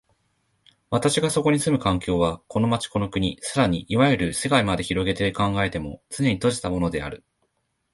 私がそこに住む環境は、この町、この国、更にいわゆる世界にまで拡げて考えても、つねに閉じたものである。